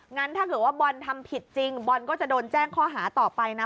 งั้นถ้าเกิดว่าบอลทำผิดจริงบอลก็จะโดนแจ้งข้อหาต่อไปนะ